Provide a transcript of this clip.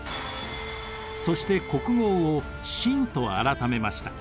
そして国号を清と改めました。